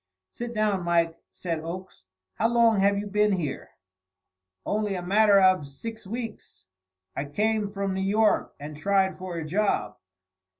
"Sit down, Mike," said Oakes. "How long have you been here?" "Only a matter av six weeks. I came from New York and tried for a job.